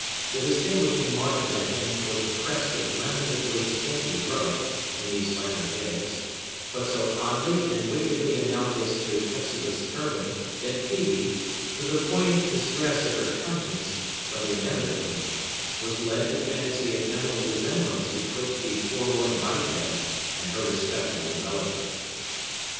The distinguishing mark of the hens was a crest of lamentably scanty growth, in these latter days, but so oddly and wickedly analogous to Hepzibah's turban, that Phœbe—to the poignant distress of her conscience, but inevitably—was led to fancy a general resemblance betwixt these forlorn bipeds and her respectable relative.